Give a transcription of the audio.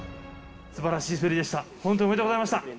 すばらしい滑りでした。